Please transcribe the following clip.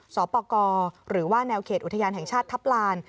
สปกรหรือว่าแนวเขตอุทยานแห่งชาติทัพลาน